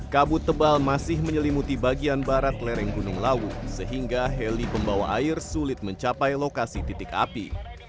kabut tebal masih menyelimuti bagian barat lereng gunung lawu sehingga heli pembawa air sulit mencapai lokasi titik api